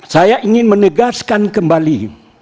saya ingin menegaskan kembali